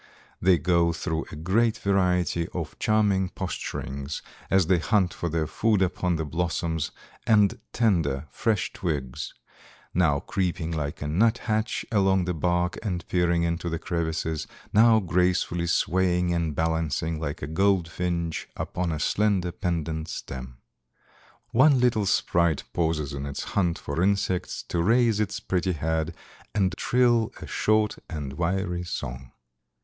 They go through a great variety of charming posturings as they hunt for their food upon the blossoms and tender, fresh twigs, now creeping like a nuthatch along the bark and peering into the crevices, now gracefully swaying and balancing like a goldfinch upon a slender, pendant stem. One little sprite pauses in its hunt for insects to raise its pretty head and trill a short and wiry song."